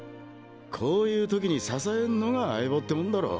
こういう時に支えんのが相棒ってもんだろ。